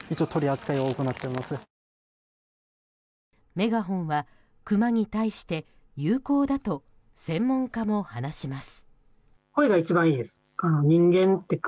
メガホンは、クマに対して有効だと専門家も話します。